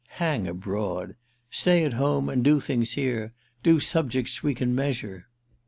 Hang 'abroad!' Stay at home and do things here—do subjects we can measure."